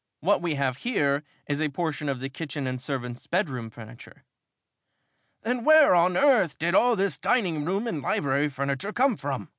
What we have here is a portion of the kitchen and servant's bedroom furniture." "Then where on earth did all this dining room and library furniture come from?"